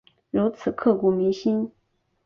如此刻骨铭心